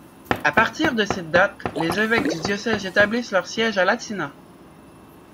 À partir de cette date, les évêques du diocèse établissent leur siège à Latina.